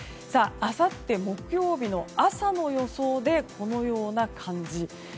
あさって、木曜日の朝の予想でこのような感じ。